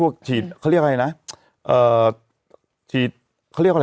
คือฟิลเลอร์